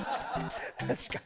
確かに。